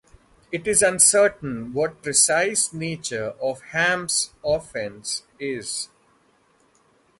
It is uncertain what the precise nature of Ham's offense is.